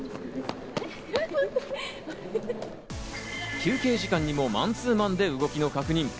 休憩時間にもマンツーマンで動きの確認。